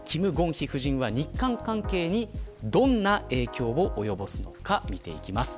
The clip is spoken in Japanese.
希夫人は日韓関係にどんな影響を及ぼすのか見ていきます。